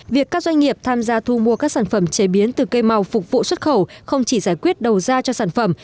việc các doanh nghiệp tham gia thu mua các sản phẩm chế biến từ cây màu phục vụ xuất khẩu không chỉ giải quyết đầu ra cho sản phẩm